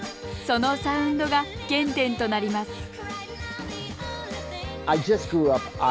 そのサウンドが原点となります